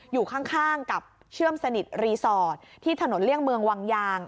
อยู่ข้างกับเชื่อมสนิทรีสอร์ทที่ถนนเลี่ยงเมืองวังยาง